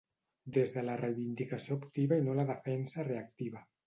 Des de la reivindicació activa i no la defensa reactiva.